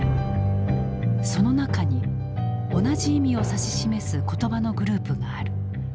その中に同じ意味を指し示す言葉のグループがある。